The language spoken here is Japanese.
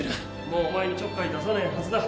もうお前にちょっかい出さないはずだ